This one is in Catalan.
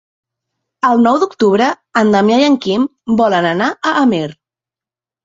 El nou d'octubre en Damià i en Quim volen anar a Amer.